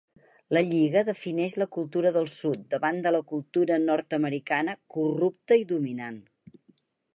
La Lliga defineix la cultura del sud davant de la cultura nord-americana corrupta i dominant.